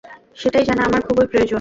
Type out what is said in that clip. সেটাই জানা আমার খুবই প্রয়োজন।